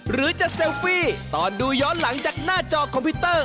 หรือจะเซลฟี่ตอนดูย้อนหลังจากหน้าจอคอมพิวเตอร์